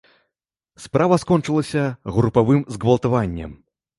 Справа скончылася групавым згвалтаваннем.